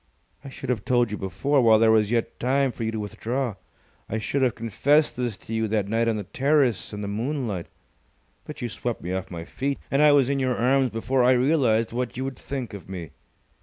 I should have told you before, while there was yet time for you to withdraw. I should have confessed this to you that night on the terrace in the moonlight. But you swept me off my feet, and I was in your arms before I realized what you would think of me.